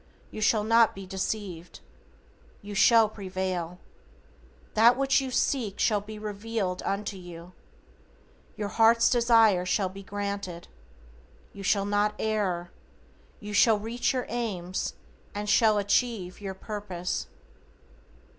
You shall not be deceived. You shall prevail. That which you seek shall be revealed unto you. Your heart's desire shall be granted. You shall not err. You shall reach your aims, and shall achieve your purpose.